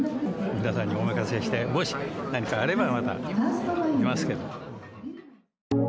皆さんにお任せして、もし何かあれば、また行きますけど。